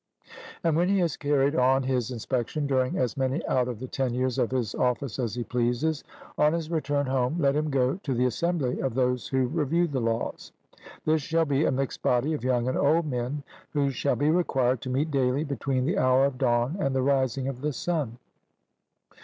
And when he has carried on his inspection during as many out of the ten years of his office as he pleases, on his return home let him go to the assembly of those who review the laws. This shall be a mixed body of young and old men, who shall be required to meet daily between the hour of dawn and the rising of the sun.